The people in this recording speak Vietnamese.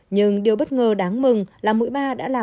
nhưng điều bất ngờ đáng mừng là mũi ba đã làm tăng khả năng bô hiệu hóa